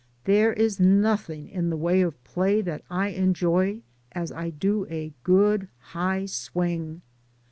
There is nothing in the way of play that I enjoy as I do a good high swing.